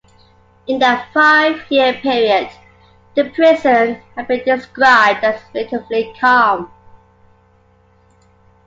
In that five-year period, the prison had been described as relatively calm.